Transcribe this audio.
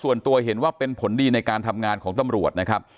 ส่วนตัวเห็นว่าเป็นผลดีในการทำงานของตำรวจนะครับ